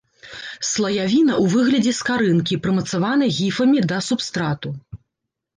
Слаявіна ў выглядзе скарынкі, прымацаванай гіфамі да субстрату.